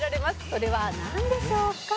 「それはなんでしょうか？」